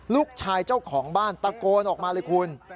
เจ้าของบ้านตะโกนออกมาเลยคุณ